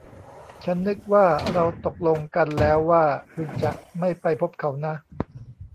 ฉันนึกว่าเราตกลงกันแล้วว่าคุณจะไม่ไปพบเขานะ